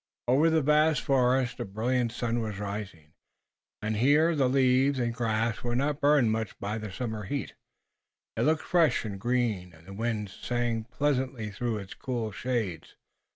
Over the vast forest a brilliant sun was rising and here the leaves and grass were not burned much by summer heat. It looked fresh and green, and the wind sang pleasantly through its cool shadows.